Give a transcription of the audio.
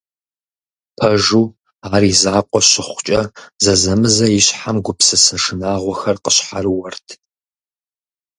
Пэжу, ар и закъуэ щыхъукӏэ, зэзэмызэ и щхьэм гупсысэ шынагъуэхэр къищхьэрыуэрт.